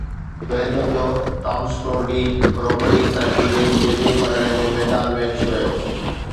Belgium جو Thomas Tour de Romandie cycle race جي ٻئي مرحلي ۾ ميدان ۾ اچي ويو